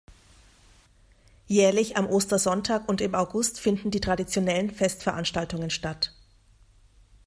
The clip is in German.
Jährlich am Ostersonntag und im August finden die traditionellen Festveranstaltungen statt.